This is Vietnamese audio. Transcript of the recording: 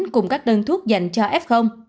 cùng các đơn thuốc dành cho f